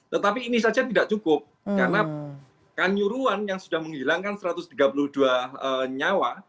tetapi ini saja tidak cukup karena kanyuruan yang sudah menghilangkan satu ratus tiga puluh dua nyawa